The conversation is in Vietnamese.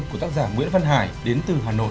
của tác giả nguyễn văn hải đến từ hà nội